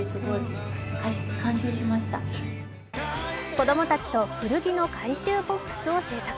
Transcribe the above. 子供たちと古着の回収ボックスを開設。